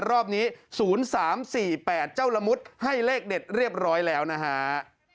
รอบนี้๐๓๔๘เจ้าละมุดให้เลขเด็ดเรียบร้อยแล้วนะฮะ